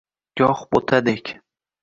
Goh bo’tadek